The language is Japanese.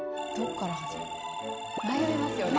迷いますよね